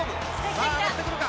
さあ上がってくるか？